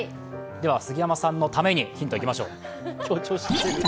杉山さんのためにヒントいきましょう。